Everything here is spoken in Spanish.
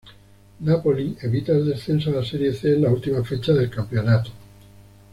Napoli evita el descenso a la Serie C en la última fecha del campeonato.